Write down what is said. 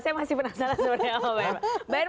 saya masih penasaran sebenarnya sama mbak irma